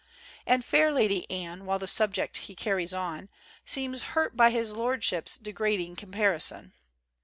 And fair Lady Anne, while the subject he carries on, Seems hurt by his lordship's degrading comparison.